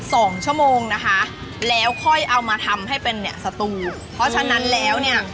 สองชั่วโมงนะคะแล้วค่อยเอามาทำให้เป็นเนี่ยสตูเพราะฉะนั้นแล้วเนี่ย